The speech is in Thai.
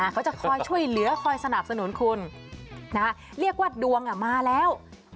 เขาจะคอยช่วยเหลือคอยสนับสนุนคุณเรียกว่าดวงมาแล้ว